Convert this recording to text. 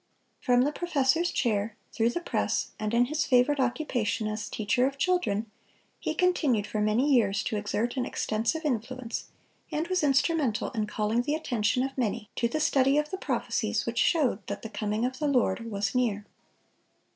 From the professor's chair, through the press, and in his favorite occupation as teacher of children, he continued for many years to exert an extensive influence, and was instrumental in calling the attention of many to the study of the prophecies which showed that the coming of the Lord was near.